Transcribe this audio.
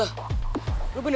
lo bener bener ya